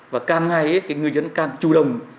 và càng ngày người dân càng chủ đồng